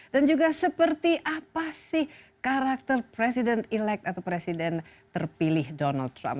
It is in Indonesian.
dan juga seperti apa sih karakter presiden elect atau presiden terpilih donald trump